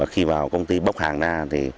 khi vào công ty bốc hàng ra